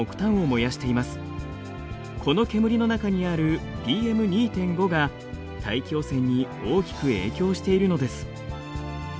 この煙の中にあるＰＭ２．５が大気汚染に大きく影響しているのです。